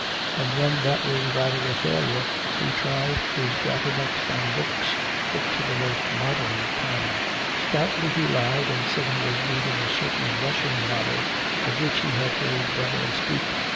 And when that was rather a failure he tried his daughter next on books, books of the most modern kind. Stoutly he lied and said he was reading a certain Russian novel of which he had heard Deborah speak.